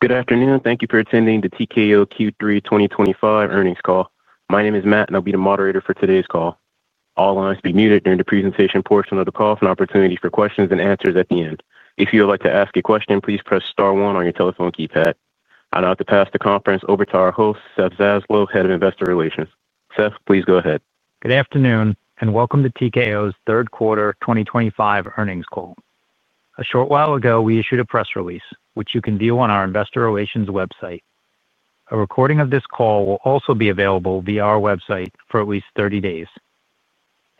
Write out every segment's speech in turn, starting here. Good afternoon, and thank you for attending the TKO Q3 2025 earnings call. My name is Matt, and I'll be the moderator for today's call. All lines will be muted during the presentation portion of the call for an opportunity for questions and answers at the end. If you would like to ask a question, please press star one on your telephone keypad. I now have to pass the conference over to our host, Seth Zaslow, Head of Investor Relations. Seth, please go ahead. Good afternoon, and welcome to TKO's third quarter 2025 earnings call. A short while ago, we issued a press release, which you can view on our investor relations website. A recording of this call will also be available via our website for at least 30 days.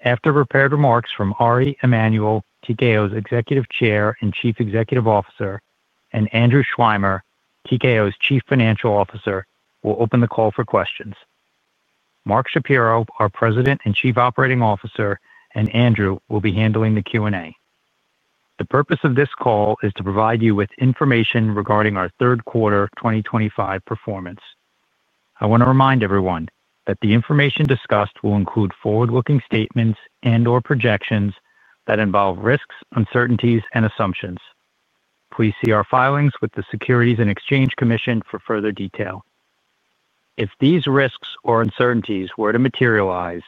After prepared remarks from Ari Emanuel, TKO's Executive Chair and Chief Executive Officer, and Andrew Schleimer, TKO's Chief Financial Officer, we'll open the call for questions. Mark Shapiro, our President and Chief Operating Officer, and Andrew will be handling the Q&A. The purpose of this call is to provide you with information regarding our third quarter 2025 performance. I want to remind everyone that the information discussed will include forward-looking statements and/or projections that involve risks, uncertainties, and assumptions. Please see our filings with the Securities and Exchange Commission for further detail. If these risks or uncertainties were to materialize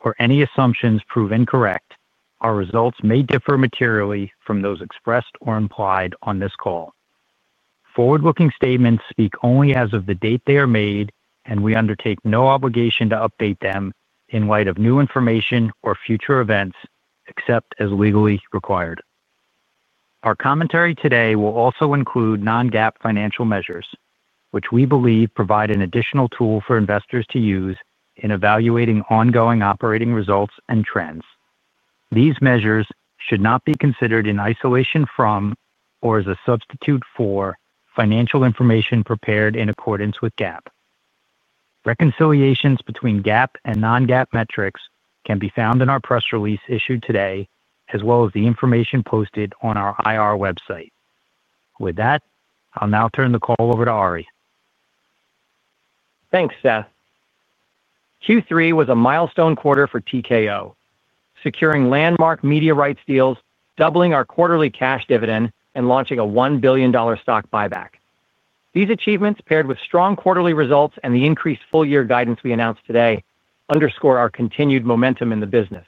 or any assumptions prove incorrect, our results may differ materially from those expressed or implied on this call. Forward-looking statements speak only as of the date they are made, and we undertake no obligation to update them in light of new information or future events, except as legally required. Our commentary today will also include non-GAAP financial measures, which we believe provide an additional tool for investors to use in evaluating ongoing operating results and trends. These measures should not be considered in isolation from or as a substitute for financial information prepared in accordance with GAAP. Reconciliations between GAAP and non-GAAP metrics can be found in our press release issued today, as well as the information posted on our IR website. With that, I'll now turn the call over to Ariel. Thanks, Seth. Q3 was a milestone quarter for TKO, securing landmark media rights deals, doubling our quarterly cash dividend, and launching a $1 billion stock buyback. These achievements, paired with strong quarterly results and the increased full-year guidance we announced today, underscore our continued momentum in the business.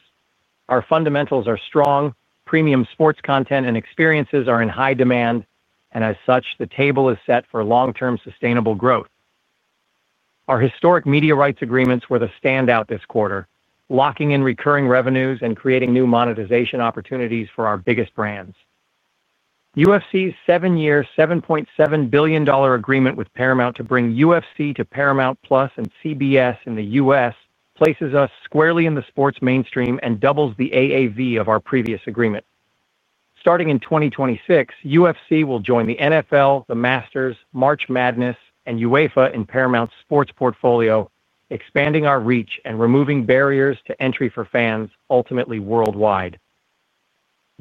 Our fundamentals are strong, premium sports content and experiences are in high demand, and as such, the table is set for long-term sustainable growth. Our historic media rights agreements were the standout this quarter, locking in recurring revenues and creating new monetization opportunities for our biggest brands. UFC's seven-year, $7.7 billion agreement with Paramount Global to bring UFC to Paramount+ and CBS in the U.S. places us squarely in the sports mainstream and doubles the AAV of our previous agreement. Starting in 2026, UFC will join the NFL, the Masters, March Madness, and UEFA in Paramount's sports portfolio, expanding our reach and removing barriers to entry for fans, ultimately worldwide.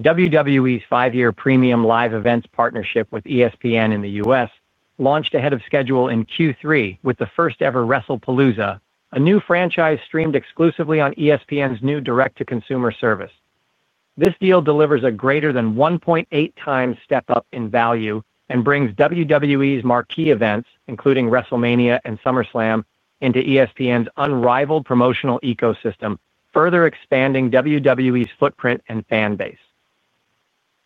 WWE's five-year premium live events partnership with ESPN in the U.S. launched ahead of schedule in Q3 with the first-ever WrestlePalooza, a new franchise streamed exclusively on ESPN's new direct-to-consumer service. This deal delivers a greater than 1.8x step-up in value and brings WWE's marquee events, including WrestleMania and Summerslam, into ESPN's unrivaled promotional ecosystem, further expanding WWE's footprint and fan base.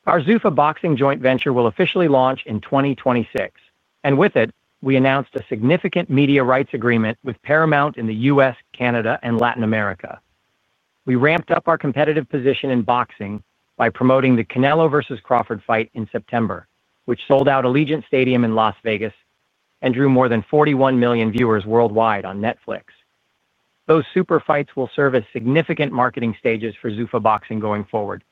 Our Zuffa Boxing joint venture will officially launch in 2026, and with it, we announced a significant media rights agreement with Paramount in the U.S., Canada, and Latin America. We ramped up our competitive position in boxing by promoting the Canelo vs. Crawford fight in September, which sold out Allegiant Stadium in Las Vegas and drew more than 41 million viewers worldwide on Netflix. Those super fights will serve as significant marketing stages for Zuffa Boxing going forward.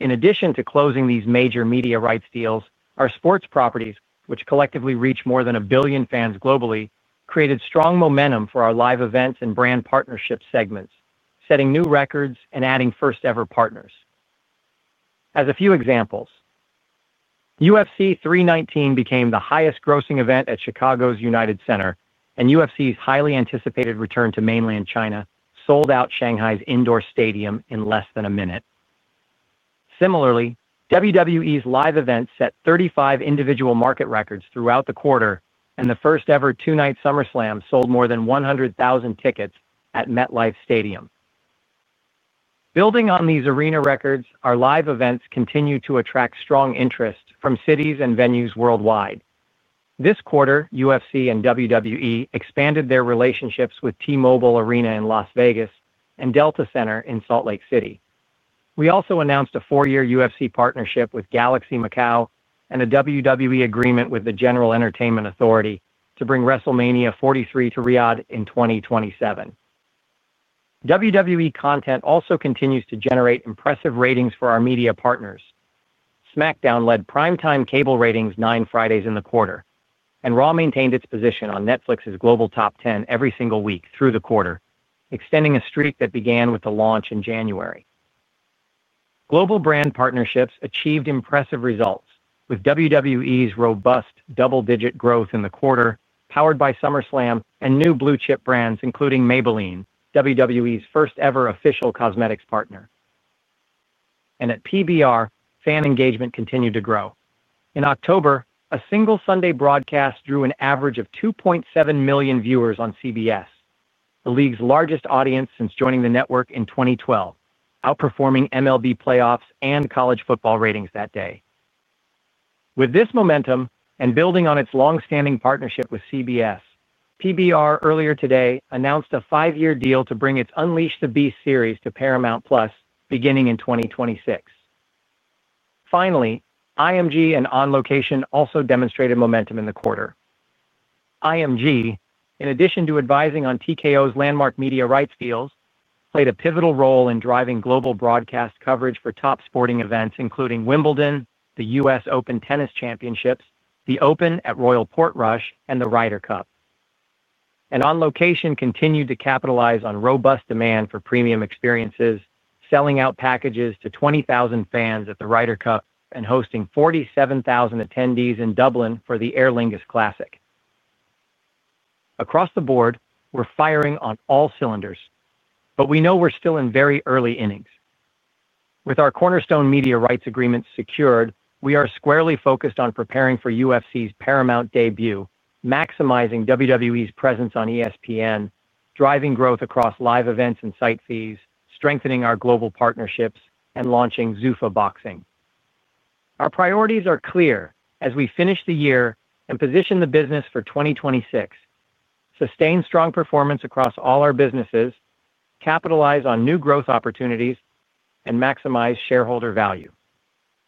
In addition to closing these major media rights deals, our sports properties, which collectively reach more than a billion fans globally, created strong momentum for our live events and brand partnership segments, setting new records and adding first-ever partners. As a few examples, UFC 319 became the highest-grossing event at Chicago's United Center, and UFC's highly anticipated return to mainland China sold out Shanghai's indoor stadium in less than a minute. Similarly, WWE's live events set 35 individual market records throughout the quarter, and the first-ever two-night Summerslam sold more than 100,000 tickets at MetLife Stadium. Building on these arena records, our live events continue to attract strong interest from cities and venues worldwide. This quarter, UFC and WWE expanded their relationships with T-Mobile Arena in Las Vegas and Delta Center in Salt Lake City. We also announced a four-year UFC partnership with Galaxy Macau and a WWE agreement with the General Entertainment Authority to bring WrestleMania 43 to Riyadh in 2027. WWE content also continues to generate impressive ratings for our media partners. SmackDown led primetime cable ratings nine Fridays in the quarter and Raw maintained its position on Netflix's global top 10 every single week through the quarter, extending a streak that began with the launch in January. Global brand partnerships achieved impressive results, with WWE's robust double-digit growth in the quarter powered by Summerslam and new blue-chip brands including Maybelline, WWE's first-ever official cosmetics partner. At PBR, fan engagement continued to grow. In October, a single Sunday broadcast drew an average of 2.7 million viewers on CBS, the league's largest audience since joining the network in 2012, outperforming MLB playoffs and college football ratings that day. With this momentum and building on its long-standing partnership with CBS, PBR earlier today announced a five-year deal to bring its Unleash the Beast series to Paramount+ beginning in 2026. Finally, IMG and On Location also demonstrated momentum in the quarter. IMG, in addition to advising on TKO's landmark media rights deals, played a pivotal role in driving global broadcast coverage for top sporting events including Wimbledon, the U.S. Open Tennis Championships, The Open at Royal Portrush, and the Ryder Cup. On Location continued to capitalize on robust demand for premium experiences, selling out packages to 20,000 fans at the Ryder Cup and hosting 47,000 attendees in Dublin for the Aer Lingus Classic. Across the board, we're firing on all cylinders, but we know we're still in very early innings. With our cornerstone media rights agreements secured, we are squarely focused on preparing for UFC's Paramount debut, maximizing WWE's presence on ESPN, driving growth across live events and site fees, strengthening our global partnerships, and launching Zuffa Boxing. Our priorities are clear as we finish the year and position the business for 2026. Sustain strong performance across all our businesses, capitalize on new growth opportunities, and maximize shareholder value.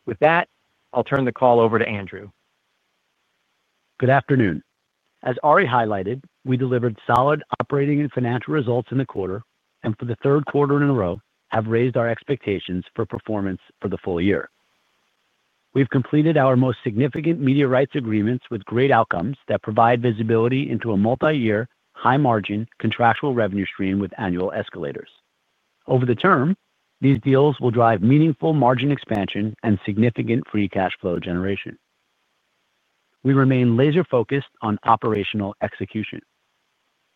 With that, I'll turn the call over to Andrew. Good afternoon. As Ari highlighted, we delivered solid operating and financial results in the quarter and for the third quarter in a row have raised our expectations for performance for the full year. We have completed our most significant media rights agreements with great outcomes that provide visibility into a multi-year, high-margin, contractual revenue stream with annual escalators. Over the term, these deals will drive meaningful margin expansion and significant free cash flow generation. We remain laser-focused on operational execution.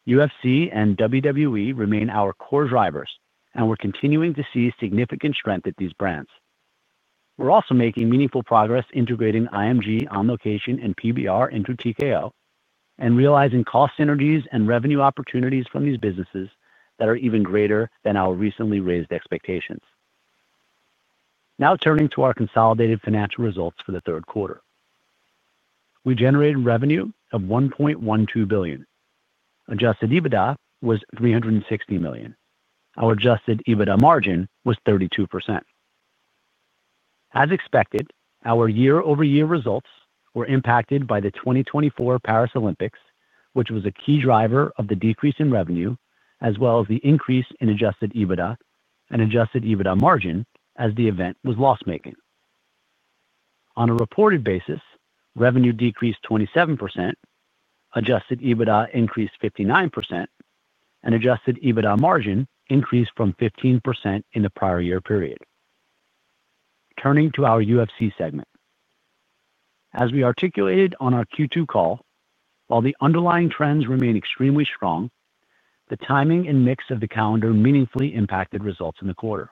UFC and WWE remain our core drivers, and we are continuing to see significant strength at these brands. We are also making meaningful progress integrating IMG, On Location, and PBR into TKO and realizing cost synergies and revenue opportunities from these businesses that are even greater than our recently raised expectations. Now turning to our consolidated financial results for the third quarter. We generated revenue of $1.12 billion. Adjusted EBITDA was $360 million. Our adjusted EBITDA margin was 32%. As expected, our year-over-year results were impacted by the 2024 Paris Olympics, which was a key driver of the decrease in revenue, as well as the increase in adjusted EBITDA and adjusted EBITDA margin as the event was loss-making. On a reported basis, revenue decreased 27%. Adjusted EBITDA increased 59%, and adjusted EBITDA margin increased from 15% in the prior year period. Turning to our UFC segment. As we articulated on our Q2 call, while the underlying trends remain extremely strong, the timing and mix of the calendar meaningfully impacted results in the quarter.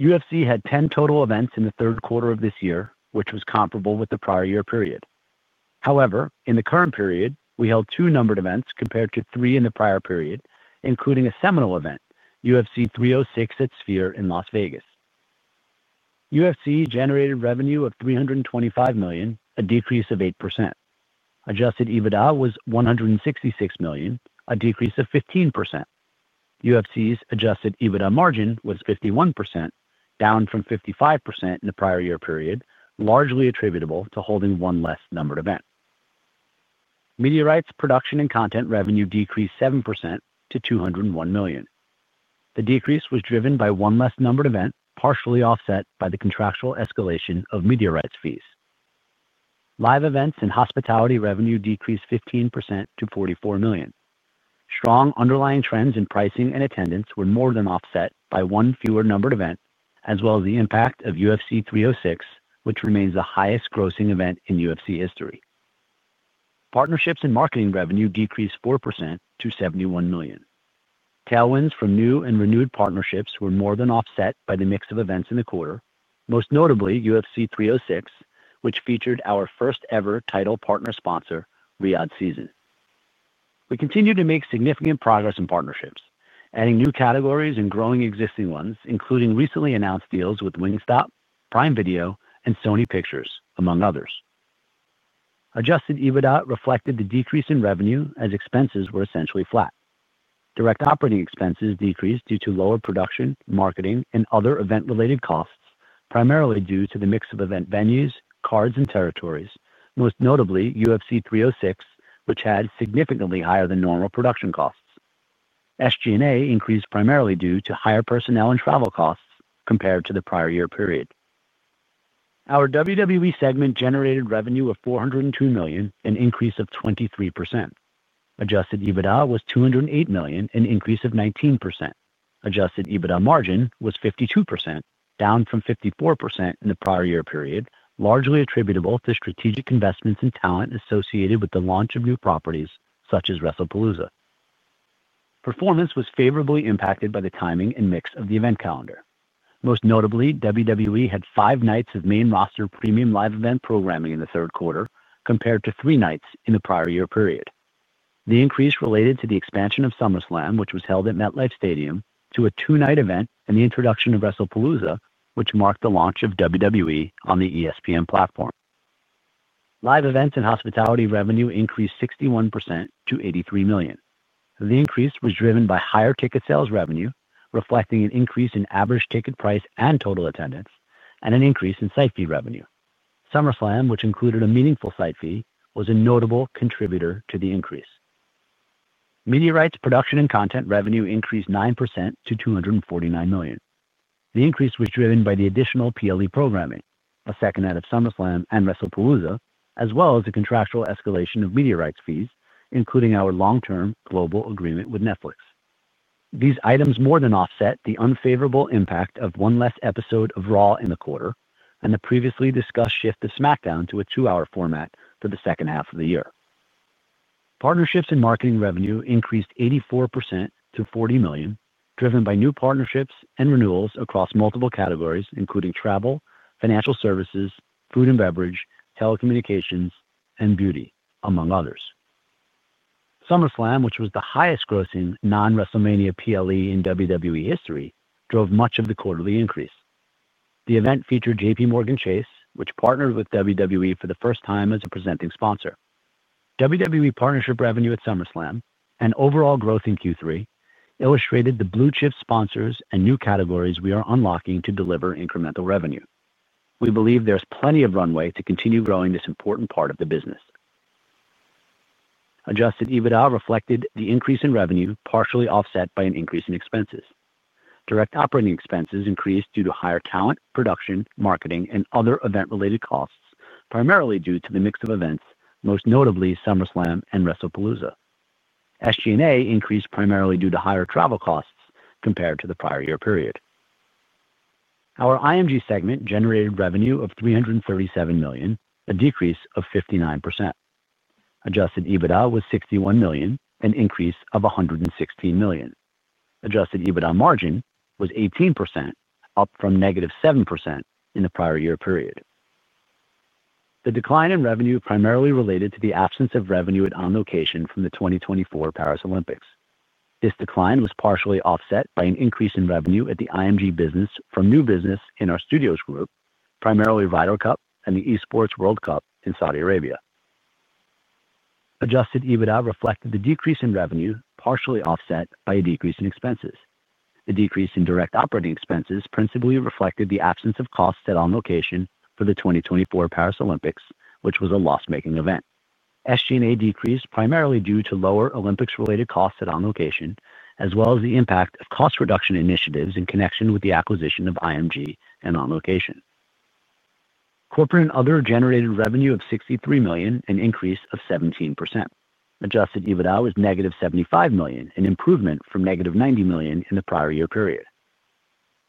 UFC had 10 total events in the third quarter of this year, which was comparable with the prior year period. However, in the current period, we held two numbered events compared to three in the prior period, including a seminal event, UFC 306 at Sphere in Las Vegas. UFC generated revenue of $325 million, a decrease of 8%. Adjusted EBITDA was $166 million, a decrease of 15%. UFC's adjusted EBITDA margin was 51%, down from 55% in the prior year period, largely attributable to holding one less numbered event. Media rights production and content revenue decreased 7% to $201 million. The decrease was driven by one less numbered event, partially offset by the contractual escalation of media rights fees. Live events and hospitality revenue decreased 15% to $44 million. Strong underlying trends in pricing and attendance were more than offset by one fewer numbered event, as well as the impact of UFC 306, which remains the highest-grossing event in UFC history. Partnerships and marketing revenue decreased 4% to $71 million. Tailwinds from new and renewed partnerships were more than offset by the mix of events in the quarter, most notably UFC 306, which featured our first-ever title partner sponsor, Riyadh Season. We continue to make significant progress in partnerships, adding new categories and growing existing ones, including recently announced deals with Wingstop, Prime Video, and Sony Pictures, among others. Adjusted EBITDA reflected the decrease in revenue as expenses were essentially flat. Direct operating expenses decreased due to lower production, marketing, and other event-related costs, primarily due to the mix of event venues, cards, and territories, most notably UFC 306, which had significantly higher than normal production costs. SG&A increased primarily due to higher personnel and travel costs compared to the prior year period. Our WWE segment generated revenue of $402 million, an increase of 23%. Adjusted EBITDA was $208 million, an increase of 19%. Adjusted EBITDA margin was 52%, down from 54% in the prior year period, largely attributable to strategic investments and talent associated with the launch of new properties such as WrestlePalooza. Performance was favorably impacted by the timing and mix of the event calendar. Most notably, WWE had five nights of main roster premium live event programming in the third quarter compared to three nights in the prior year period. The increase related to the expansion of Summerslam, which was held at MetLife Stadium, to a two-night event and the introduction of WrestlePalooza, which marked the launch of WWE on the ESPN platform. Live events and hospitality revenue increased 61% to $83 million. The increase was driven by higher ticket sales revenue, reflecting an increase in average ticket price and total attendance, and an increase in site fee revenue. Summerslam, which included a meaningful site fee, was a notable contributor to the increase. Media rights production and content revenue increased 9% to $249 million. The increase was driven by the additional PLE programming, a second night of Summerslam and WrestlePalooza, as well as the contractual escalation of media rights fees, including our long-term global agreement with Netflix. These items more than offset the unfavorable impact of one less episode of Raw in the quarter and the previously discussed shift to SmackDown to a two-hour format for the second half of the year. Partnerships and marketing revenue increased 84% to $40 million, driven by new partnerships and renewals across multiple categories, including travel, financial services, food and beverage, telecommunications, and beauty, among others. Summerslam, which was the highest-grossing non-WrestleMania PLE in WWE history, drove much of the quarterly increase. The event featured JPMorgan Chase, which partnered with WWE for the first time as a presenting sponsor. WWE partnership revenue at Summerslam and overall growth in Q3 illustrated the blue-chip sponsors and new categories we are unlocking to deliver incremental revenue. We believe there's plenty of runway to continue growing this important part of the business. Adjusted EBITDA reflected the increase in revenue, partially offset by an increase in expenses. Direct operating expenses increased due to higher talent, production, marketing, and other event-related costs, primarily due to the mix of events, most notably Summerslam and WrestlePalooza. SG&A increased primarily due to higher travel costs compared to the prior year period. Our IMG segment generated revenue of $337 million, a decrease of 59%. Adjusted EBITDA was $61 million, an increase of $116 million. Adjusted EBITDA margin was 18%, up from -7% in the prior year period. The decline in revenue primarily related to the absence of revenue at On Location from the 2024 Paris Olympics. This decline was partially offset by an increase in revenue at the IMG business from new business in our Studios Group, primarily Ryder Cup and the Esports World Cup in Saudi Arabia. Adjusted EBITDA reflected the decrease in revenue, partially offset by a decrease in expenses. The decrease in direct operating expenses principally reflected the absence of costs at On Location for the 2024 Paris Olympics, which was a loss-making event. SG&A decreased primarily due to lower Olympics-related costs at On Location, as well as the impact of cost reduction initiatives in connection with the acquisition of IMG and On Location. Corporate and other generated revenue of $63 million, an increase of 17%. Adjusted EBITDA was -$75 million, an improvement from -$90 million in the prior year period.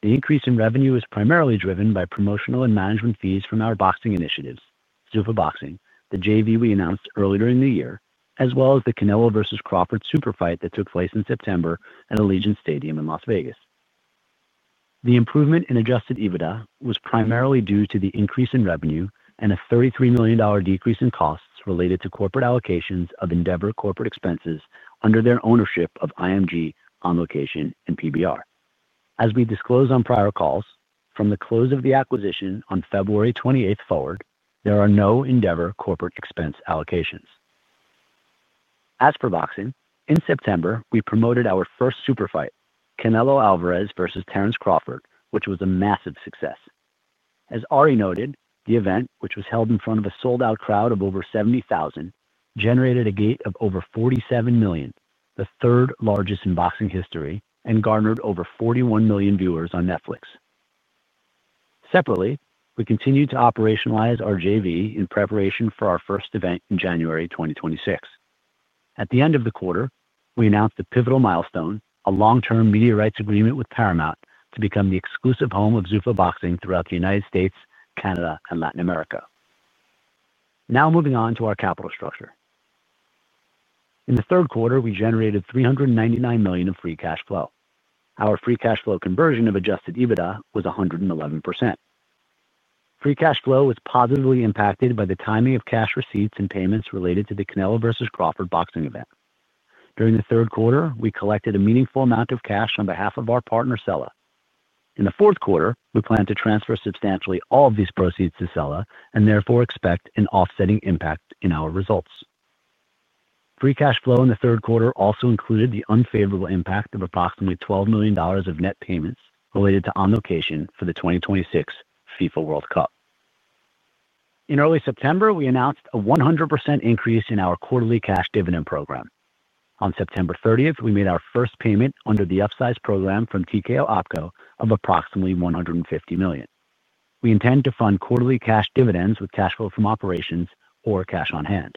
The increase in revenue was primarily driven by promotional and management fees from our boxing initiatives, Zuffa Boxing, the JV we announced earlier in the year, as well as the Canelo versus Crawford super fight that took place in September at Allegiant Stadium in Las Vegas. The improvement in adjusted EBITDA was primarily due to the increase in revenue and a $33 million decrease in costs related to corporate allocations of Endeavor corporate expenses under their ownership of IMG, On Location, and PBR. As we disclose on prior calls, from the close of the acquisition on February 28th forward, there are no Endeavor corporate expense allocations. As for boxing, in September, we promoted our first super fight, Canelo Alvarez versus Terence Crawford, which was a massive success. As Ariel noted, the event, which was held in front of a sold-out crowd of over 70,000, generated a gate of over $47 million, the third largest in boxing history, and garnered over 41 million viewers on Netflix. Separately, we continued to operationalize our JV in preparation for our first event in January 2026. At the end of the quarter, we announced a pivotal milestone, a long-term media rights agreement with Paramount to become the exclusive home of Zuffa Boxing throughout the United States, Canada, and Latin America. Now moving on to our capital structure. In the third quarter, we generated $399 million of free cash flow. Our free cash flow conversion of adjusted EBITDA was 111%. Free cash flow was positively impacted by the timing of cash receipts and payments related to the Canelo vs. Crawford boxing event. During the third quarter, we collected a meaningful amount of cash on behalf of our partner, Sela. In the fourth quarter, we plan to transfer substantially all of these proceeds to Sela and therefore expect an offsetting impact in our results. Free cash flow in the third quarter also included the unfavorable impact of approximately $12 million of net payments related to On Location for the 2026 FIFA World Cup. In early September, we announced a 100% increase in our quarterly cash dividend program. On September 30th, we made our first payment under the upsize program from TKO Opco of approximately $150 million. We intend to fund quarterly cash dividends with cash flow from operations or cash on hand.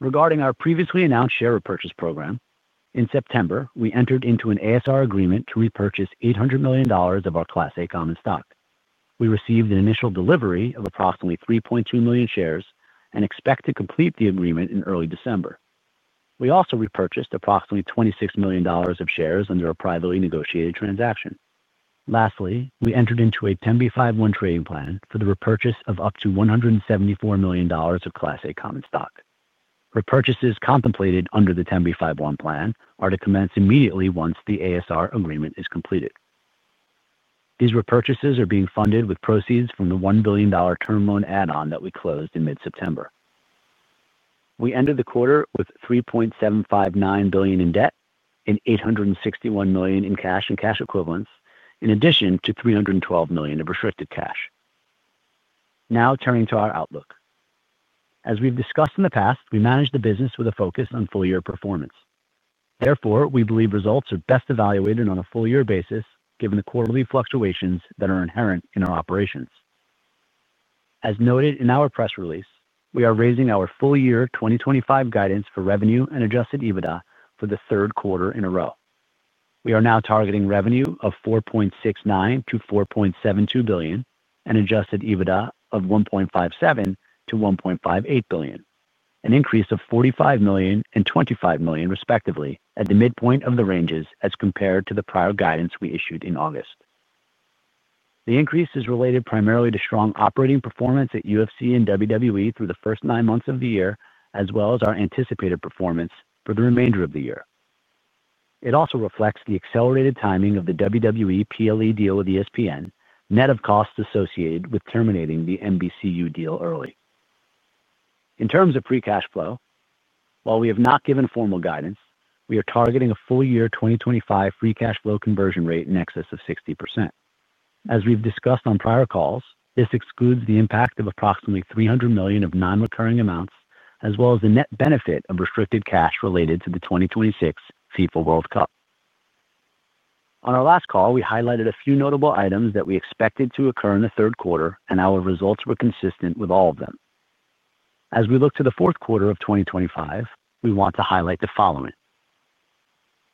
Regarding our previously announced share repurchase program, in September, we entered into an ASR agreement to repurchase $800 million of our Class A Common Stock. We received an initial delivery of approximately 3.2 million shares and expect to complete the agreement in early December. We also repurchased approximately $26 million of shares under a privately negotiated transaction. Lastly, we entered into a 10b5-1 trading plan for the repurchase of up to $174 million of Class A common stock. Repurchases contemplated under the 10b5-1 plan are to commence immediately once the ASR agreement is completed. These repurchases are being funded with proceeds from the $1 billion term loan add-on that we closed in mid-September. We ended the quarter with $3.759 billion in debt and $861 million in cash and cash equivalents, in addition to $312 million of restricted cash. Now turning to our outlook. As we have discussed in the past, we manage the business with a focus on full-year performance. Therefore, we believe results are best evaluated on a full-year basis given the quarterly fluctuations that are inherent in our operations. As noted in our press release, we are raising our full-year 2025 guidance for revenue and adjusted EBITDA for the third quarter in a row. We are now targeting revenue of $4.69 billion-$4.72 billion and adjusted EBITDA of $1.57 billion-$1.58 billion, an increase of $45 million and $25 million, respectively, at the midpoint of the ranges as compared to the prior guidance we issued in August. The increase is related primarily to strong operating performance at UFC and WWE through the first nine months of the year, as well as our anticipated performance for the remainder of the year. It also reflects the accelerated timing of the WWE PLE deal with ESPN, net of costs associated with terminating the MBCU deal early. In terms of free cash flow, while we have not given formal guidance, we are targeting a full-year 2025 free cash flow conversion rate in excess of 60%. As we've discussed on prior calls, this excludes the impact of approximately $300 million of non-recurring amounts, as well as the net benefit of restricted cash related to the 2026 FIFA World Cup. On our last call, we highlighted a few notable items that we expected to occur in the third quarter, and our results were consistent with all of them. As we look to the fourth quarter of 2025, we want to highlight the following.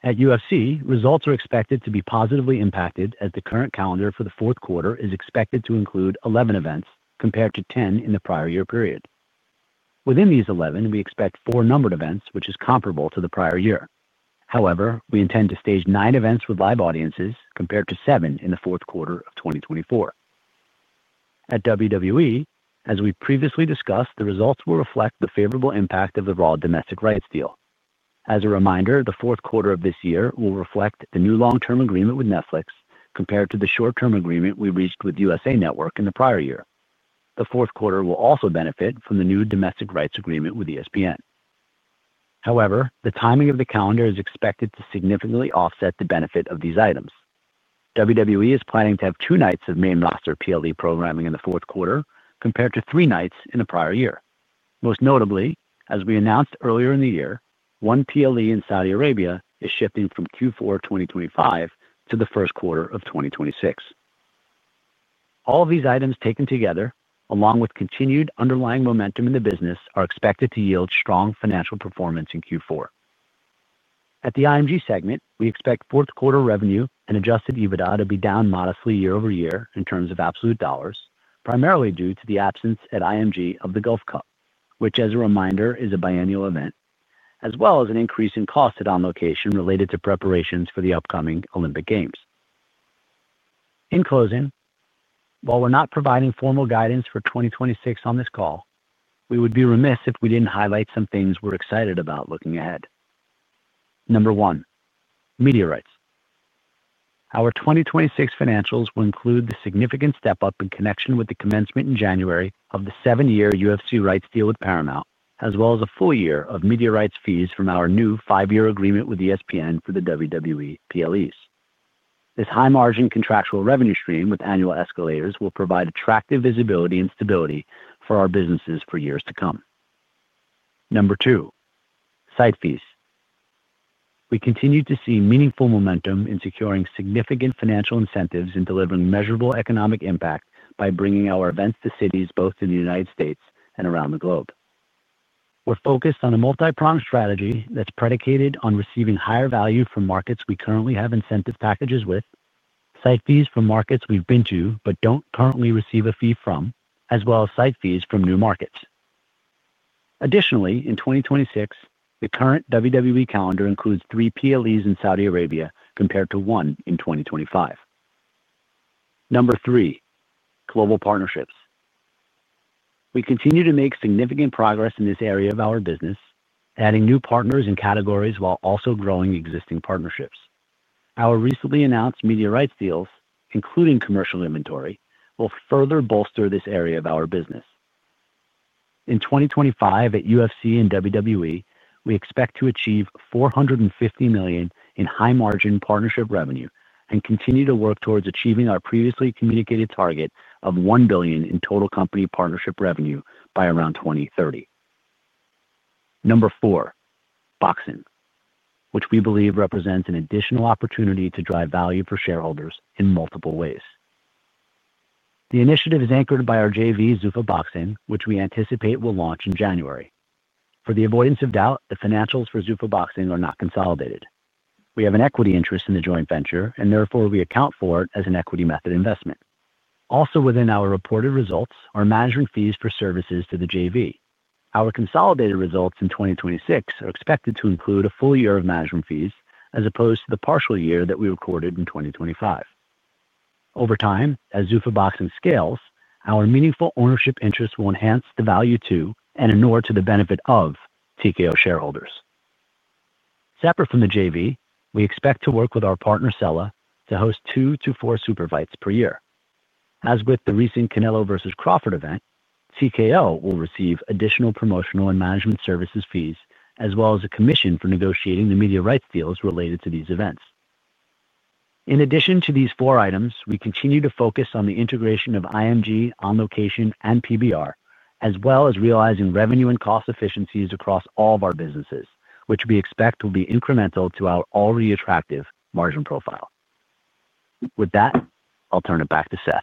At UFC, results are expected to be positively impacted as the current calendar for the fourth quarter is expected to include 11 events compared to 10 in the prior year period. Within these 11, we expect four numbered events, which is comparable to the prior year. However, we intend to stage nine events with live audiences compared to seven in the fourth quarter of 2024. At WWE, as we previously discussed, the results will reflect the favorable impact of the Raw domestic rights deal. As a reminder, the fourth quarter of this year will reflect the new long-term agreement with Netflix compared to the short-term agreement we reached with USA Network in the prior year. The fourth quarter will also benefit from the new domestic rights agreement with ESPN. However, the timing of the calendar is expected to significantly offset the benefit of these items. WWE is planning to have two nights of main roster PLE programming in the fourth quarter compared to three nights in the prior year. Most notably, as we announced earlier in the year, one PLE in Saudi Arabia is shifting from Q4 2025 to the first quarter of 2026. All of these items taken together, along with continued underlying momentum in the business, are expected to yield strong financial performance in Q4. At the IMG segment, we expect fourth-quarter revenue and adjusted EBITDA to be down modestly year over year in terms of absolute dollars, primarily due to the absence at IMG of the Gulf Cup, which, as a reminder, is a biennial event, as well as an increase in cost at On Location related to preparations for the upcoming Olympic Games. In closing, while we're not providing formal guidance for 2026 on this call, we would be remiss if we didn't highlight some things we're excited about looking ahead. Number one, media rights. Our 2026 financials will include the significant step-up in connection with the commencement in January of the seven-year UFC rights deal with Paramount, as well as a full year of media rights fees from our new five-year agreement with ESPN for the WWE PLEs. This high-margin contractual revenue stream with annual escalators will provide attractive visibility and stability for our businesses for years to come. Number two, site fees. We continue to see meaningful momentum in securing significant financial incentives and delivering measurable economic impact by bringing our events to cities both in the United States and around the globe. We're focused on a multi-pronged strategy that's predicated on receiving higher value from markets we currently have incentive packages with, site fees from markets we've been to but don't currently receive a fee from, as well as site fees from new markets. Additionally, in 2026, the current WWE calendar includes three PLEs in Saudi Arabia compared to one in 2025. Number three, global partnerships. We continue to make significant progress in this area of our business, adding new partners and categories while also growing existing partnerships. Our recently announced media rights deals, including commercial inventory, will further bolster this area of our business. In 2025, at UFC and WWE, we expect to achieve $450 million in high-margin partnership revenue and continue to work towards achieving our previously communicated target of $1 billion in total company partnership revenue by around 2030. Number four, boxing, which we believe represents an additional opportunity to drive value for shareholders in multiple ways. The initiative is anchored by our JV, Zuffa Boxing, which we anticipate will launch in January. For the avoidance of doubt, the financials for Zuffa Boxing are not consolidated. We have an equity interest in the joint venture, and therefore we account for it as an equity method investment. Also, within our reported results, are management fees for services to the JV. Our consolidated results in 2026 are expected to include a full year of management fees as opposed to the partial year that we recorded in 2025. Over time, as Zuffa Boxing scales, our meaningful ownership interest will enhance the value to and in order to the benefit of TKO shareholders. Separate from the JV, we expect to work with our partner, Sela, to host two to four super fights per year. As with the recent Canelo vs. Crawford event, TKO will receive additional promotional and management services fees, as well as a commission for negotiating the media rights deals related to these events. In addition to these four items, we continue to focus on the integration of IMG, On Location, and PBR, as well as realizing revenue and cost efficiencies across all of our businesses, which we expect will be incremental to our already attractive margin profile. With that, I'll turn it back to Seth.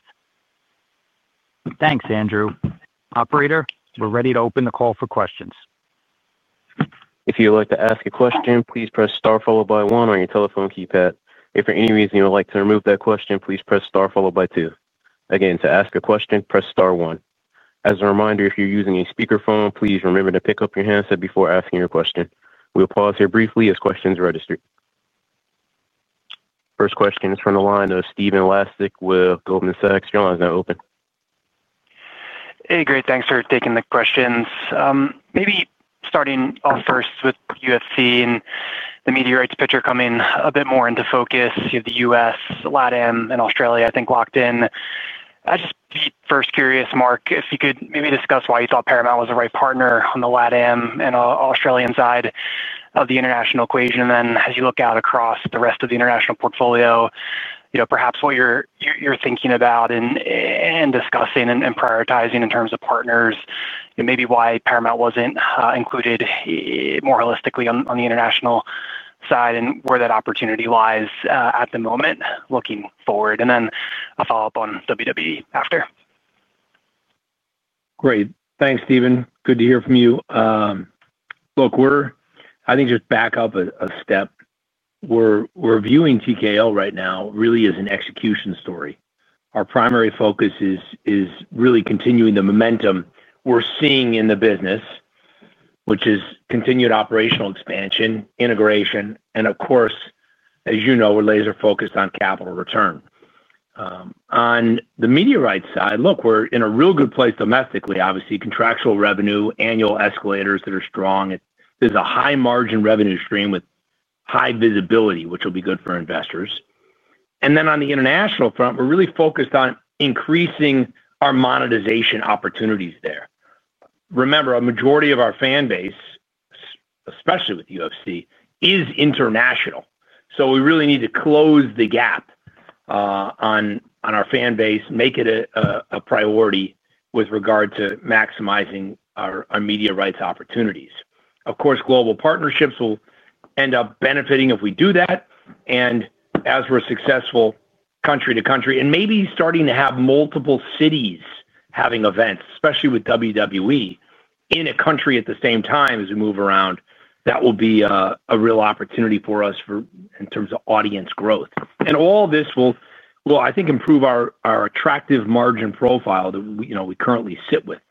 Thanks, Andrew. Operator, we're ready to open the call for questions. If you would like to ask a question, please press star followed by One on your telephone keypad. If for any reason you would like to remove that question, please press star followed by Two. Again, to ask a question, press star one. As a reminder, if you're using a speakerphone, please remember to pick up your handset before asking your question. We'll pause here briefly as questions are registered. First question is from the line of [Steven Lassick] with Goldman Sachs. Your line's now open. Hey, great. Thanks for taking the questions. Maybe starting off first with UFC and the media rights picture coming a bit more into focus. You have the U.S., LATAM, and Australia, I think, locked in. I'd just be first curious, Mark, if you could maybe discuss why you thought Paramount was the right partner on the LATAM and Australian side of the international equation. As you look out across the rest of the international portfolio, perhaps what you're thinking about and discussing and prioritizing in terms of partners, maybe why Paramount wasn't included. More holistically on the international side and where that opportunity lies at the moment, looking forward. I'll follow-up on WWE after. Great. Thanks, Steven. Good to hear from you. Look, I think just back up a step. We're viewing TKO right now really as an execution story. Our primary focus is really continuing the momentum we're seeing in the business. Which is continued operational expansion, integration, and of course, as you know, we're laser-focused on capital return. On the media rights side, look, we're in a real good place domestically, obviously. Contractual revenue, annual escalators that are strong. There's a high-margin revenue stream with high visibility, which will be good for investors. On the international front, we're really focused on increasing our monetization opportunities there. Remember, a majority of our fanbase, especially with UFC, is international. We really need to close the gap. On our fanbase, make it a priority with regard to maximizing our media rights opportunities. Of course, global partnerships will end up benefiting if we do that. As we're successful country to country and maybe starting to have multiple cities having events, especially with WWE in a country at the same time as we move around, that will be a real opportunity for us in terms of audience growth. All of this will, I think, improve our attractive margin profile that we currently sit with.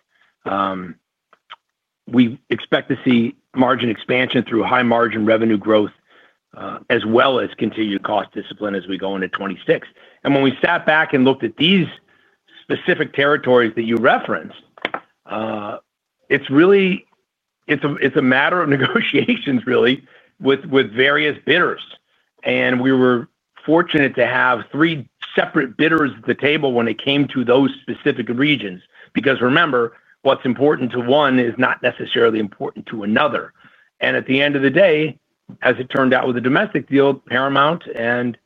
We expect to see margin expansion through high-margin revenue growth, as well as continued cost discipline as we go into 2026. When we sat back and looked at these specific territories that you referenced, it's a matter of negotiations, really, with various bidders. We were fortunate to have three separate bidders at the table when it came to those specific regions, because remember, what's important to one is not necessarily important to another. At the end of the day, as it turned out with the domestic deal, Paramount and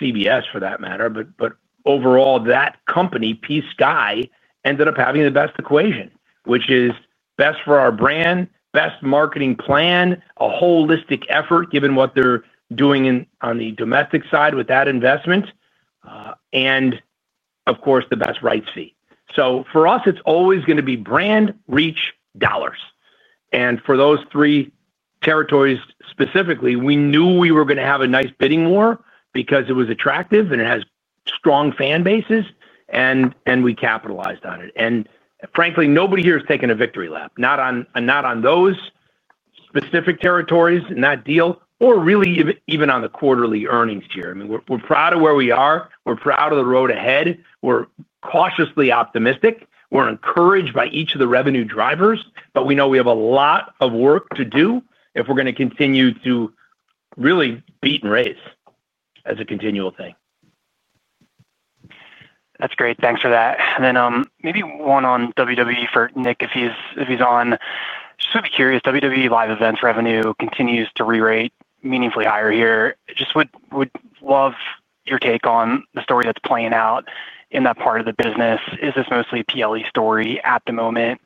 CBS, for that matter, but overall, that company, PSKY, ended up having the best equation, which is best for our brand, best marketing plan, a holistic effort given what they're doing on the domestic side with that investment. Of course, the best rights fee. For us, it's always going to be brand, reach, dollars. For those three territories specifically, we knew we were going to have a nice bidding war because it was attractive and it has strong fan bases, and we capitalized on it. Frankly, nobody here has taken a victory lap. Not on those specific territories and that deal, or really even on the quarterly earnings here. I mean, we're proud of where we are. We're proud of the road ahead. We're cautiously optimistic. We're encouraged by each of the revenue drivers, but we know we have a lot of work to do if we're going to continue to really beat and race as a continual thing. That's great. Thanks for that. Maybe one on WWE for Nick, if he's on. Just would be curious, WWE live events revenue continues to re-rate meaningfully higher here. Just would love your take on the story that's playing out in that part of the business. Is this mostly PLE story at the moment?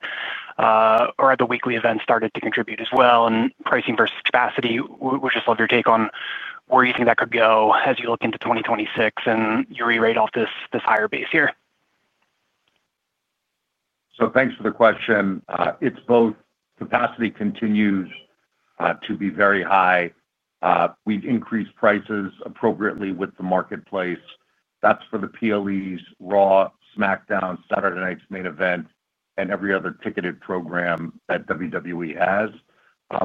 Have the weekly events started to contribute as well? Pricing versus capacity, we just love your take on where you think that could go as you look into 2026 and you re-rate off this higher base here. Thanks for the question. It's both. Capacity continues to be very high. We've increased prices appropriately with the marketplace. That's for the PLEs, Raw, SmackDown, Saturday Night's Main Event, and every other ticketed program that WWE has.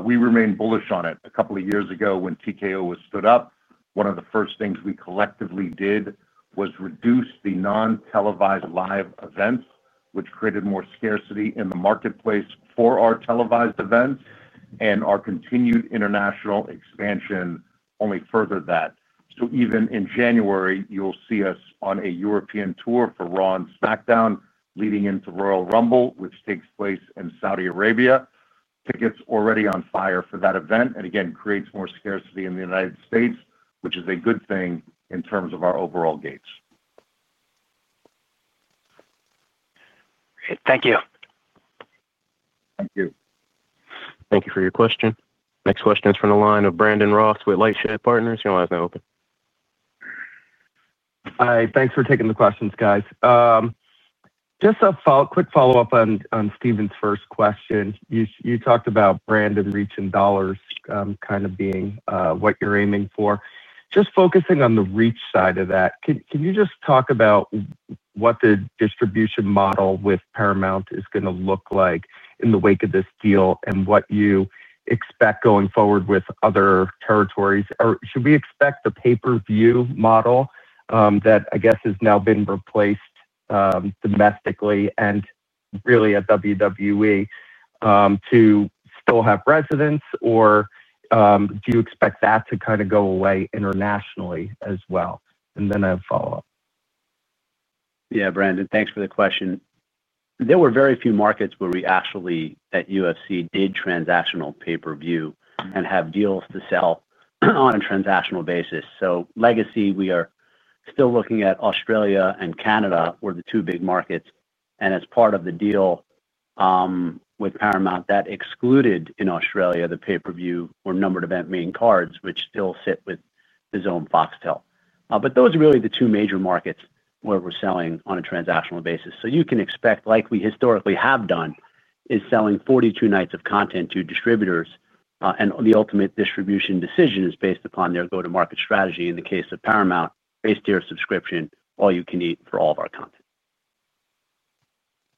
We remain bullish on it. A couple of years ago, when TKO was stood up, one of the first things we collectively did was reduce the non-televised live events, which created more scarcity in the marketplace for our televised events, and our continued international expansion only furthered that. Even in January, you'll see us on a European tour for Raw and SmackDown leading into Royal Rumble, which takes place in Saudi Arabia. Tickets already on fire for that event, and again, creates more scarcity in the United States, which is a good thing in terms of our overall gates. Great. Thank you. Thank you. Thank you for your question. Next question is from the line of Brandon Ross with LightShed Partners. Your line's now open. Hi. Thanks for taking the questions, guys. Just a quick follow-up on Steven's first question. You talked about brand and reach and dollars kind of being what you're aiming for. Just focusing on the reach side of that, can you just talk about what the distribution model with Paramount is going to look like in the wake of this deal and what you expect going forward with other territories? Should we expect the pay-per-view model that, I guess, has now been replaced domestically and really at WWE to still have residence, or do you expect that to kind of go away internationally as well? I have a follow-up. Yeah, Brandon, thanks for the question. There were very few markets where we actually at UFC did transactional pay-per-view and have deals to sell on a transactional basis. Legacy, we are still looking at Australia and Canada were the two big markets. As part of the deal with Paramount, that excluded in Australia the pay-per-view or numbered event main cards, which still sit with DAZN, Foxtel. Those are really the two major markets where we're selling on a transactional basis. You can expect, like we historically have done, is selling 42 nights of content to distributors. The ultimate distribution decision is based upon their go-to-market strategy. In the case of Paramount, base tier subscription, all you can eat for all of our content.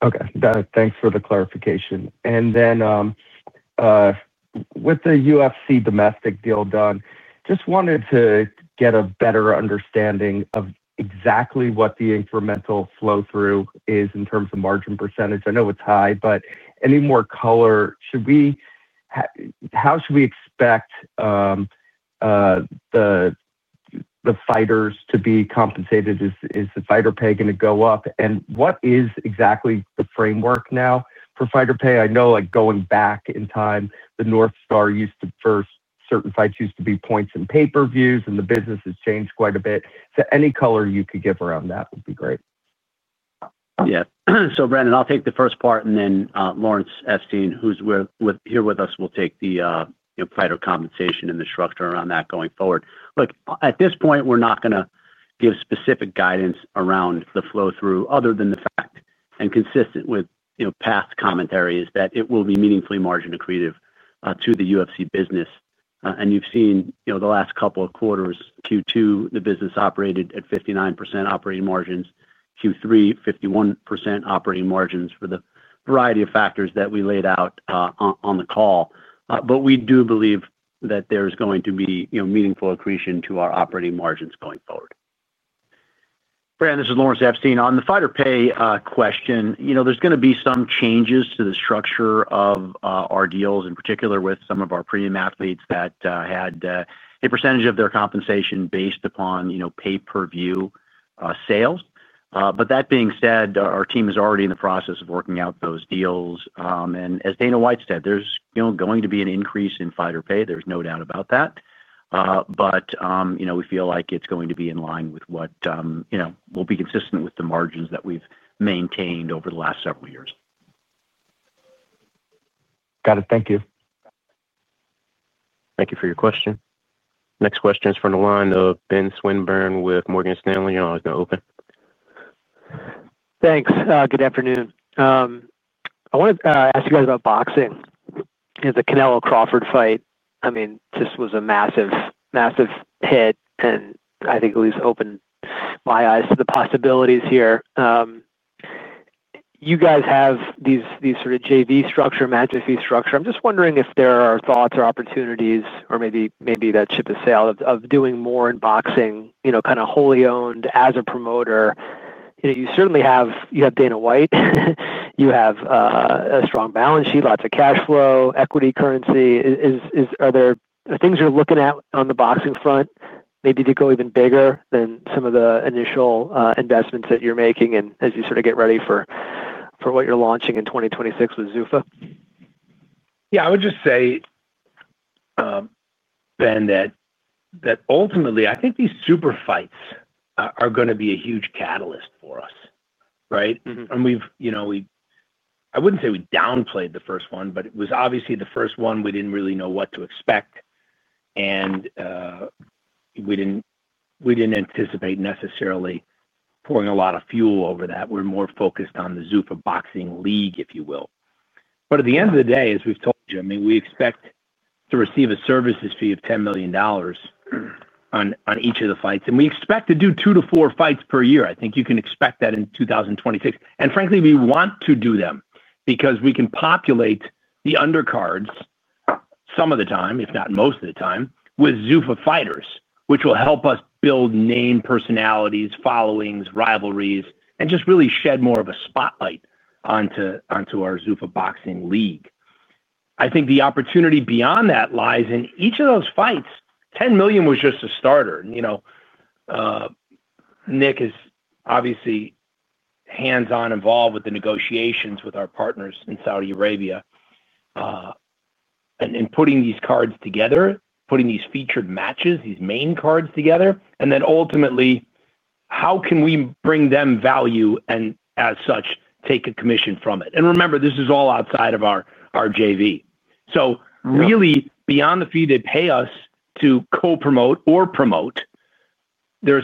Okay. Thanks for the clarification. With the UFC domestic deal done, just wanted to get a better understanding of exactly what the incremental flow-through is in terms of margin percentage. I know it's high, but any more color? How should we expect the fighters to be compensated? Is the fighter pay going to go up? What is exactly the framework now for fighter pay? I know going back in time, the North Star used to for certain fights used to be points and pay-per-views, and the business has changed quite a bit. Any color you could give around that would be great. Yeah. Brandon, I'll take the first part, and then Lawrence Epstein, who's here with us, will take the fighter compensation and the structure around that going forward. Look, at this point, we're not going to give specific guidance around the flow-through other than the fact and consistent with past commentary is that it will be meaningfully margin accretive to the UFC business. You have seen the last couple of quarters, Q2, the business operated at 59% operating margins, Q3, 51% operating margins for the variety of factors that we laid out on the call. We do believe that there is going to be meaningful accretion to our operating margins going forward. Brandon, this is Lawrence Epstein. On the fighter pay question, there is going to be some changes to the structure of our deals, in particular with some of our premium athletes that had a percentage of their compensation based upon pay-per-view sales. That being said, our team is already in the process of working out those deals. As Dana White said, there is going to be an increase in fighter pay. There is no doubt about that. We feel like it is going to be in line with what. Will be consistent with the margins that we've maintained over the last several years. Got it. Thank you. Thank you for your question. Next question is from the line of Ben Swinburne with Morgan Stanley. You're always going to open. Thanks. Good afternoon. I wanted to ask you guys about boxing. It's a Canelo vs. Crawford fight. I mean, this was a massive hit, and I think at least opened my eyes to the possibilities here. You guys have these sort of JV structure, match-ify structure. I'm just wondering if there are thoughts or opportunities, or maybe that ship has sailed, of doing more in boxing, kind of wholly owned as a promoter. You certainly have Dana White. You have a strong balance sheet, lots of cash flow, equity currency. Are there things you're looking at on the boxing front, maybe to go even bigger than some of the initial investments that you're making as you sort of get ready for what you're launching in 2026 with Zuffa? Yeah, I would just say, Ben, that ultimately, I think these super fights are going to be a huge catalyst for us, right? I wouldn't say we downplayed the first one, but it was obviously the first one, we didn't really know what to expect. We didn't anticipate necessarily pouring a lot of fuel over that. We're more focused on the Zuffa boxing league, if you will. At the end of the day, as we've told you, I mean, we expect to receive a services fee of $10 million on each of the fights, and we expect to do two to four fights per year. I think you can expect that in 2026. Frankly, we want to do them because we can populate the undercards, some of the time, if not most of the time, with Zuffa fighters, which will help us build name personalities, followings, rivalries, and just really shed more of a spotlight onto our Zuffa Boxing league. I think the opportunity beyond that lies in each of those fights. $10 million was just a starter. Nick is obviously hands-on involved with the negotiations with our partners in Saudi Arabia, and putting these cards together, putting these featured matches, these main cards together. Ultimately, how can we bring them value and, as such, take a commission from it? Remember, this is all outside of our JV. Really, beyond the fee they pay us to co-promote or promote, there are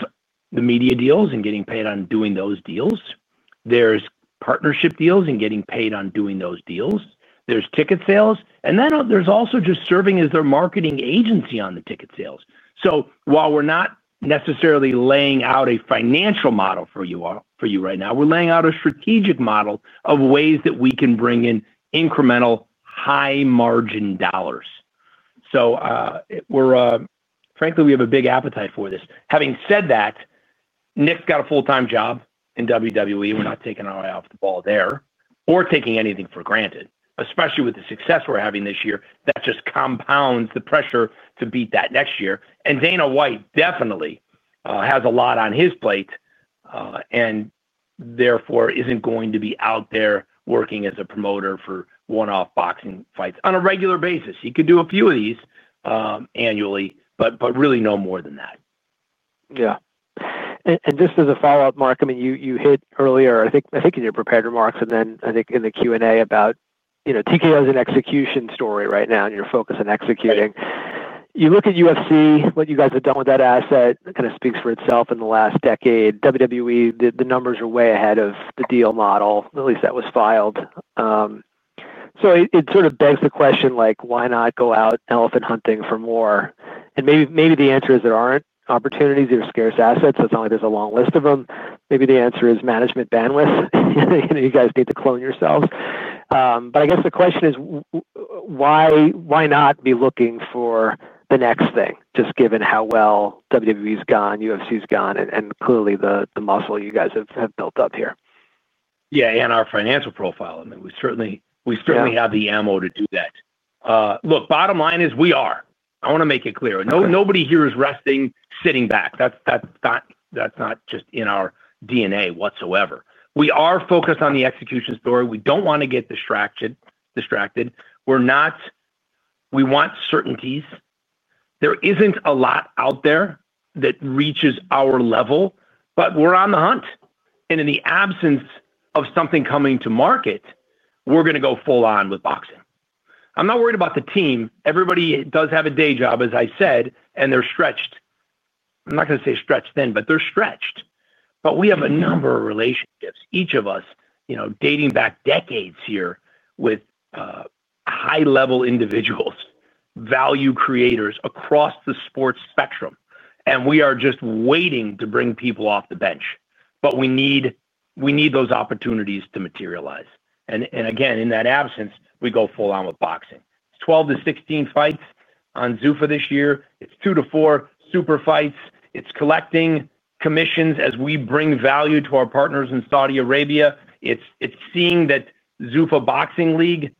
the media deals and getting paid on doing those deals. There's partnership deals and getting paid on doing those deals. There's ticket sales. And then there's also just serving as their marketing agency on the ticket sales. While we're not necessarily laying out a financial model for you right now, we're laying out a strategic model of ways that we can bring in incremental high-margin dollars. Frankly, we have a big appetite for this. Having said that, Nick's got a full-time job in WWE. We're not taking our eye off the ball there or taking anything for granted, especially with the success we're having this year. That just compounds the pressure to beat that next year. Dana White definitely has a lot on his plate. Therefore, he isn't going to be out there working as a promoter for one-off boxing fights on a regular basis. He could do a few of these. Annually, but really no more than that. Yeah. And just as a follow-up, Mark, I mean, you hit earlier, I think in your prepared remarks and then I think in the Q&A about. TKO's an execution story right now and your focus on executing. You look at UFC, what you guys have done with that asset kind of speaks for itself in the last decade. WWE, the numbers are way ahead of the deal model, at least that was filed. It sort of begs the question, like, why not go out elephant hunting for more? Maybe the answer is there aren't opportunities. They're scarce assets. That's not like there's a long list of them. Maybe the answer is management bandwidth. You guys need to clone yourselves. I guess the question is. Why not be looking for the next thing, just given how well WWE's gone, UFC's gone, and clearly the muscle you guys have built up here? Yeah, and our financial profile. I mean, we certainly have the ammo to do that. Look, bottom line is we are. I want to make it clear. Nobody here is resting, sitting back. That's not just in our DNA whatsoever. We are focused on the execution story. We don't want to get distracted. We want certainties. There isn't a lot out there that reaches our level, but we're on the hunt. In the absence of something coming to market, we're going to go full on with boxing. I'm not worried about the team. Everybody does have a day job, as I said, and they're stretched. I'm not going to say stretched thin, but they're stretched. We have a number of relationships, each of us, dating back decades here with high-level individuals, value creators across the sports spectrum. We are just waiting to bring people off the bench. We need those opportunities to materialize. In that absence, we go full on with boxing. It is 12-16 fights on Zuffa this year. It is 2-4 super fights. It is collecting commissions as we bring value to our partners in Saudi Arabia. It is seeing that Zuffa Boxing League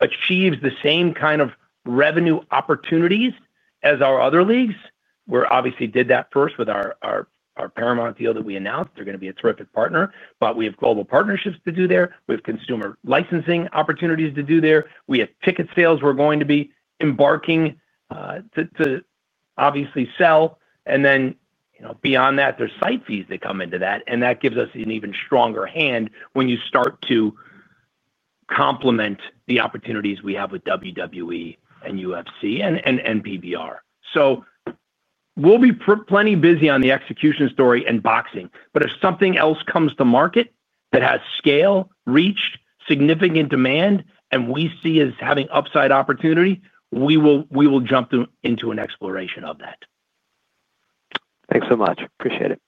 achieves the same kind of revenue opportunities as our other leagues. We obviously did that first with our Paramount deal that we announced. They are going to be a terrific partner, but we have global partnerships to do there. We have consumer licensing opportunities to do there. We have ticket sales. We are going to be embarking to obviously sell. Then beyond that, there are site fees that come into that. That gives us an even stronger hand when you start to complement the opportunities we have with WWE and UFC and PBR. We will be plenty busy on the execution story and boxing. If something else comes to market that has scale, reach, significant demand, and we see as having upside opportunity, we will jump into an exploration of that. Thanks so much. Appreciate it.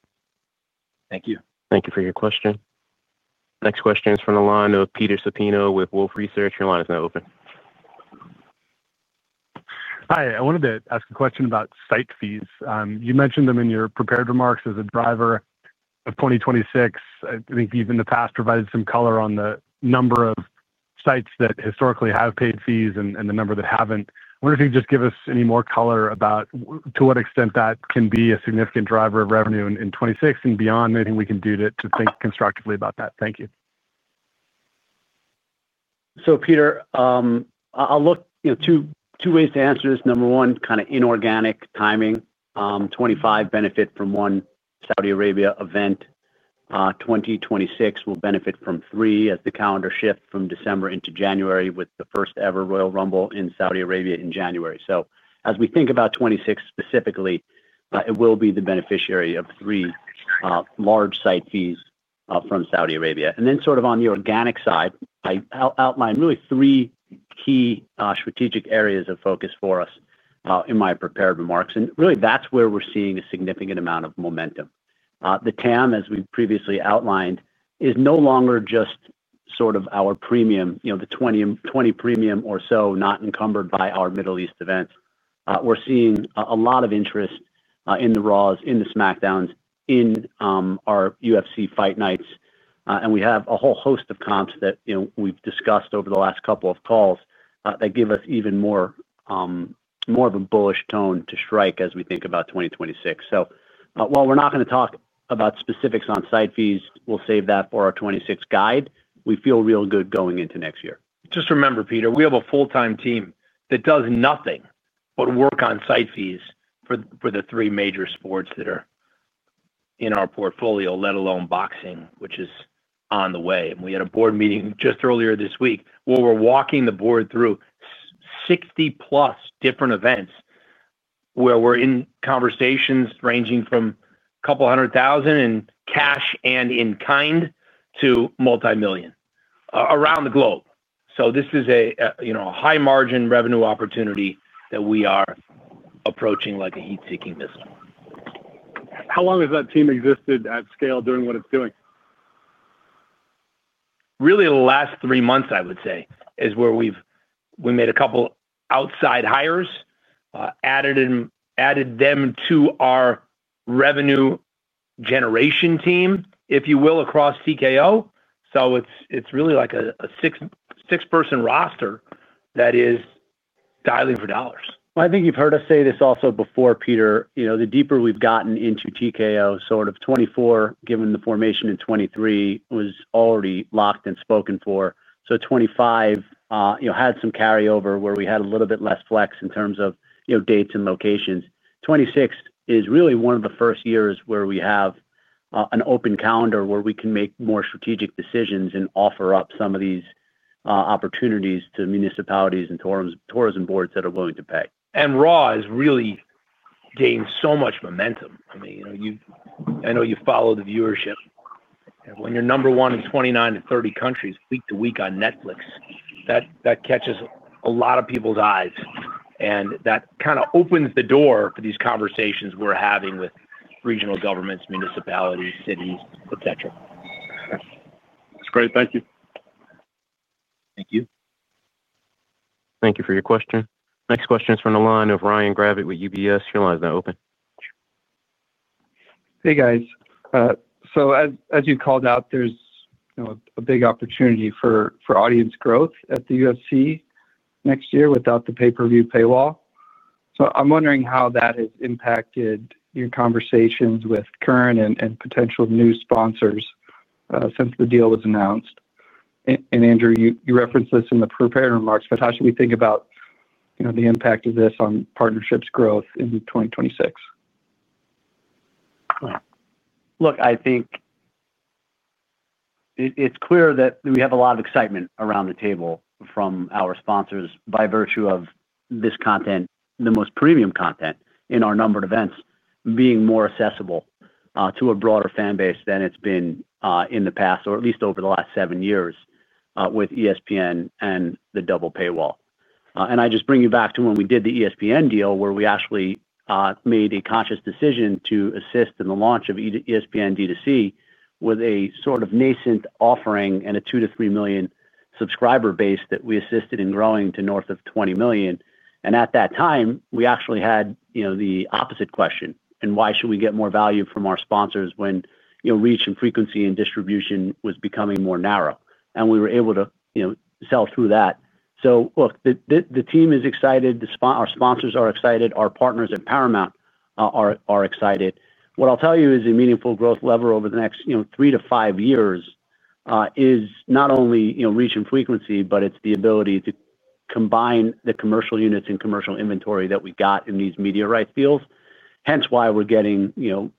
Thank you. Thank you for your question. Next question is from the line of Peter Supino with Wolf Research. Your line is now open. Hi. I wanted to ask a question about site fees. You mentioned them in your prepared remarks as a driver of 2026. I think you have in the past provided some color on the number of sites that historically have paid fees and the number that have not. I wonder if you could just give us any more color about to what extent that can be a significant driver of revenue in 2026 and beyond. Anything we can do to think constructively about that? Thank you. Peter, I'll look at two ways to answer this. Number one, kind of inorganic timing. 2025 will benefit from one Saudi Arabia event. 2026 will benefit from three as the calendar shifts from December into January with the first-ever Royal Rumble in Saudi Arabia in January. As we think about 2026 specifically, it will be the beneficiary of three large site fees from Saudi Arabia. On the organic side, I outline really three key strategic areas of focus for us in my prepared remarks. Really, that's where we're seeing a significant amount of momentum. The TAM, as we previously outlined, is no longer just sort of our premium, the 20 premium or so, not encumbered by our Middle East events. We are seeing a lot of interest in the Raws, in the SmackDowns, in our UFC fight nights. We have a whole host of comps that we have discussed over the last couple of calls that give us even more of a bullish tone to strike as we think about 2026. While we are not going to talk about specifics on site fees, we will save that for our 2026 guide. We feel real good going into next year. Just remember, Peter, we have a full-time team that does nothing but work on site fees for the three major sports that are in our portfolio, let alone boxing, which is on the way. We had a board meeting just earlier this week where we were walking the board through 60+ different events. We are in conversations ranging from a couple hundred thousand in cash and in kind to multi-million around the globe. This is a high-margin revenue opportunity that we are approaching like a heat-seeking missile. How long has that team existed at scale doing what it is doing? Really, the last three months, I would say, is where we have made a couple outside hires, added them to our revenue generation team, if you will, across TKO. It is really like a six-person roster that is dialing for dollars. I think you have heard us say this also before, Peter. The deeper we have gotten into TKO, sort of 2024, given the formation in 2023, was already locked and spoken for. 2025. Had some carryover where we had a little bit less flex in terms of dates and locations. 2026 is really one of the first years where we have an open calendar where we can make more strategic decisions and offer up some of these opportunities to municipalities and tourism boards that are willing to pay. Raw has really gained so much momentum. I mean, I know you follow the viewership. When you're number one in 29-30 countries week to week on Netflix, that catches a lot of people's eyes. That kind of opens the door for these conversations we're having with regional governments, municipalities, cities, etc. That's great. Thank you. Thank you. Thank you for your question. Next question is from the line of Ryan Gravitt with UBS. Your line is now open. Hey, guys. As you called out, there is a big opportunity for audience growth at the UFC next year without the pay-per-view paywall. I am wondering how that has impacted your conversations with Kern and potential new sponsors since the deal was announced. Andrew, you referenced this in the prepared remarks. How should we think about the impact of this on partnerships growth in 2026? Look, I think it is clear that we have a lot of excitement around the table from our sponsors by virtue of this content, the most premium content in our numbered events being more accessible to a broader fan base than it has been in the past, or at least over the last seven years with ESPN and the double paywall. I just bring you back to when we did the ESPN deal where we actually made a conscious decision to assist in the launch of ESPN D2C with a sort of nascent offering and a 2 million-3 million subscriber base that we assisted in growing to north of 20 million. At that time, we actually had the opposite question. Why should we get more value from our sponsors when reach and frequency and distribution was becoming more narrow? We were able to sell through that. Look, the team is excited. Our sponsors are excited. Our partners at Paramount are excited. What I'll tell you is a meaningful growth lever over the next three to five years is not only reach and frequency, but it's the ability to combine the commercial units and commercial inventory that we got in these media rights deals. Hence why we're getting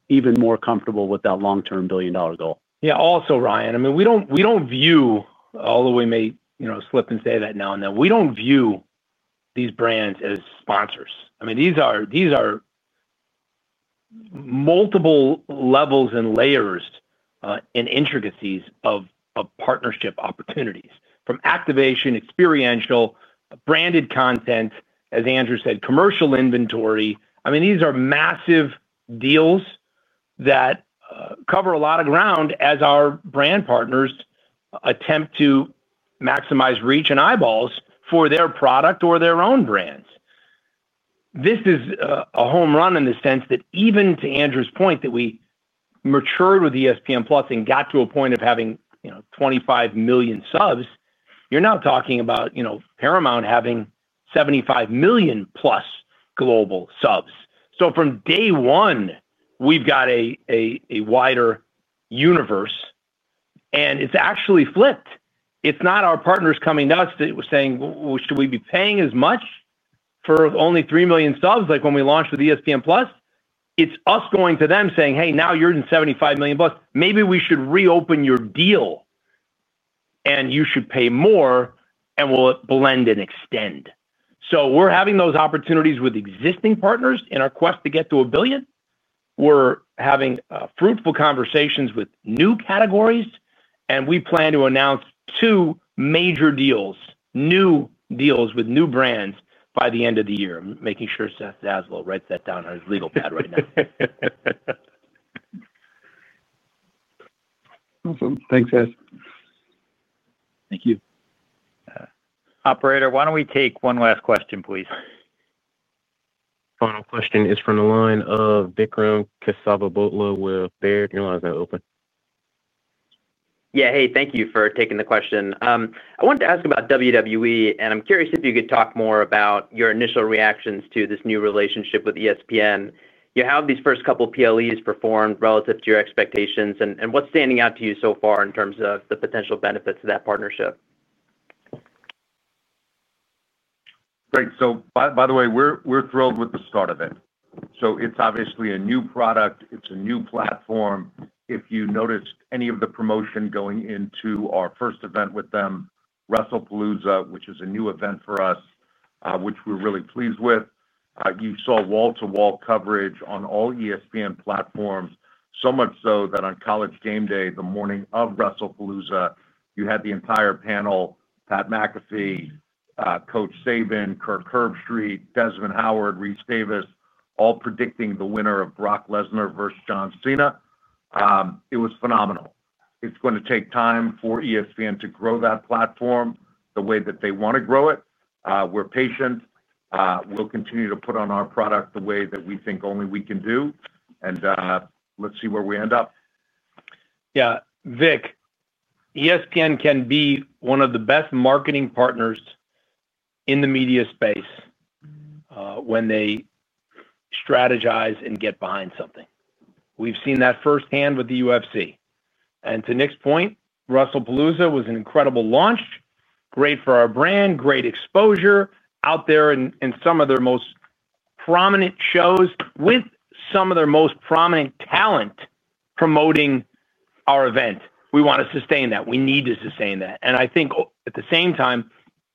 even more comfortable with that long-term billion-dollar goal. Yeah. Also, Ryan, I mean, we don't view all the way may slip and say that now and then. We don't view these brands as sponsors. I mean, these are multiple levels and layers and intricacies of partnership opportunities from activation, experiential, branded content, as Andrew said, commercial inventory. I mean, these are massive deals that cover a lot of ground as our brand partners attempt to maximize reach and eyeballs for their product or their own brands. This is a home run in the sense that even to Andrew's point that we matured with ESPN+ and got to a point of having 25 million subs, you're now talking about Paramount having 75 million+ global subs. From day one, we've got a wider universe. It's actually flipped. It's not our partners coming to us that were saying, "Should we be paying as much for only 3 million subs like when we launched with ESPN+?" It's us going to them saying, "Hey, now you're in 75 million+. Maybe we should reopen your deal. And you should pay more, and we'll blend and extend." We are having those opportunities with existing partners in our quest to get to a billion. We are having fruitful conversations with new categories. We plan to announce two major deals, new deals with new brands by the end of the year. I'm making sure Seth Zaslow writes that down on his legal pad right now. Awesome. Thanks, Seth. Thank you. Operator, why don't we take one last question, please? Final question is from the line of Vikram Kassava Botla with Baird. Your line is now open. Yeah. Hey, thank you for taking the question. I wanted to ask about WWE, and I'm curious if you could talk more about your initial reactions to this new relationship with ESPN. You have these first couple of PLEs performed relative to your expectations. What's standing out to you so far in terms of the potential benefits of that partnership? Great. By the way, we're thrilled with the start of it. It's obviously a new product. It's a new platform. If you noticed any of the promotion going into our first event with them, WrestlePalooza, which is a new event for us, we're really pleased with it. You saw wall-to-wall coverage on all ESPN platforms, so much so that on College GameDay, the morning of WrestlePalooza, you had the entire panel, Pat McAfee. Coach Saban, Kirk Herbstreit, Desmond Howard, Reese Davis, all predicting the winner of Brock Lesnar versus John Cena. It was phenomenal. It is going to take time for ESPN to grow that platform the way that they want to grow it. We are patient. We will continue to put on our product the way that we think only we can do. Let us see where we end up. Yeah. Vic. ESPN can be one of the best marketing partners in the media space. When they strategize and get behind something. We have seen that firsthand with the UFC. And to Nick's point, WrestlePalooza was an incredible launch, great for our brand, great exposure, out there in some of their most prominent shows with some of their most prominent talent promoting our event. We want to sustain that. We need to sustain that. I think at the same time,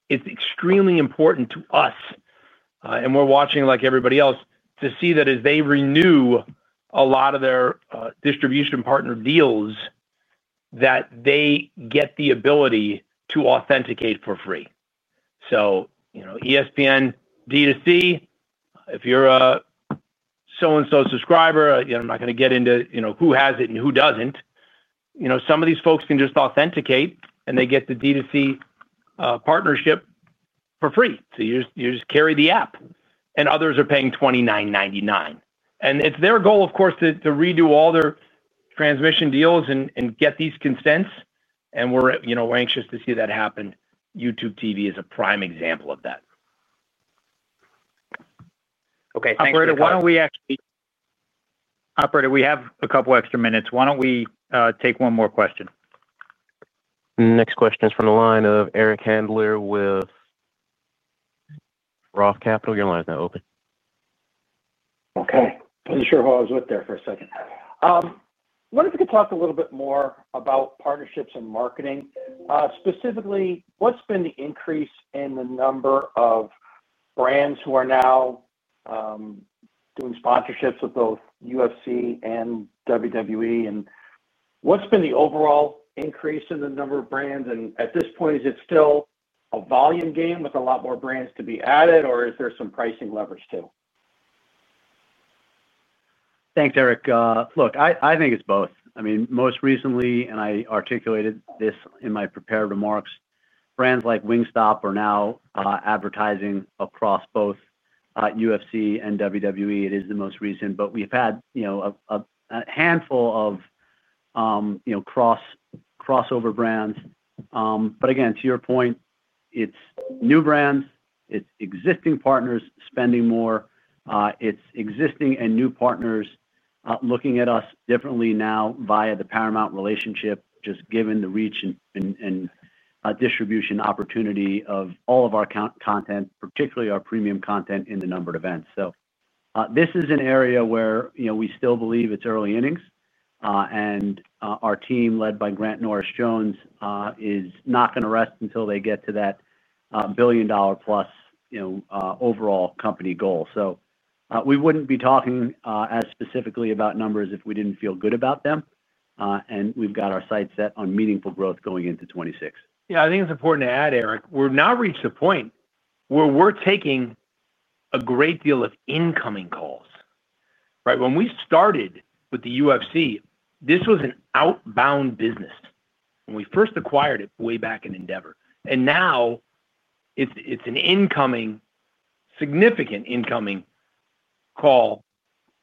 it's extremely important to us. We're watching like everybody else to see that as they renew a lot of their distribution partner deals, they get the ability to authenticate for free. ESPN D2C, if you're a so-and-so subscriber, I'm not going to get into who has it and who doesn't. Some of these folks can just authenticate, and they get the D2C partnership for free. You just carry the app. Others are paying $29.99. It's their goal, of course, to redo all their transmission deals and get these consents. We're anxious to see that happen. YouTube TV is a prime example of that. Operator, why don't we actually, Operator, we have a couple extra minutes. Why don't we take one more question? Next question is from the line of Eric Handler with Roth Capital. Your line is now open. Okay. I am sure I was with there for a second. I wonder if you could talk a little bit more about partnerships and marketing. Specifically, what has been the increase in the number of brands who are now doing sponsorships with both UFC and WWE? What has been the overall increase in the number of brands? At this point, is it still a volume game with a lot more brands to be added, or is there some pricing leverage too? Thanks, Eric. Look, I think it is both. I mean, most recently, and I articulated this in my prepared remarks, brands like Wingstop are now advertising across both UFC and WWE. It is the most recent, but we have had a handful of crossover brands. Again, to your point, it is new brands, it is existing partners spending more. It's existing and new partners looking at us differently now via the Paramount relationship, just given the reach and distribution opportunity of all of our content, particularly our premium content in the numbered events. This is an area where we still believe it's early innings. Our team, led by Grant Norris-Jones, is not going to rest until they get to that billion-plus overall company goal. We wouldn't be talking as specifically about numbers if we didn't feel good about them. We've got our sights set on meaningful growth going into 2026. Yeah. I think it's important to add, Eric, we've now reached a point where we're taking a great deal of incoming calls. Right? When we started with the UFC, this was an outbound business. When we first acquired it way back in Endeavor. Now, it's an incoming, significant incoming call.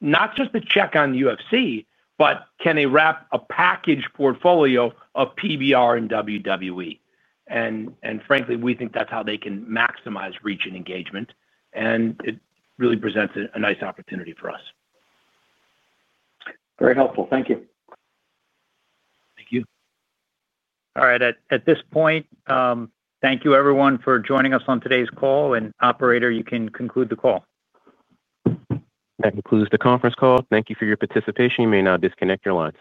Not just to check on UFC, but can they wrap a package portfolio of PBR and WWE? Frankly, we think that's how they can maximize reach and engagement. It really presents a nice opportunity for us. Very helpful. Thank you. Thank you. All right. At this point, thank you, everyone, for joining us on today's call. Operator, you can conclude the call. That concludes the conference call. Thank you for your participation. You may now disconnect your line.